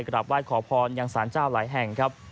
กลับไหว้ขอพรยังสารเจ้าหลายแห่งครับ